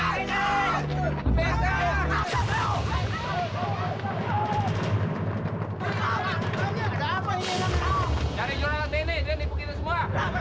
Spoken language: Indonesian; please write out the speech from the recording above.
cari juragan benny dia nipu kita semua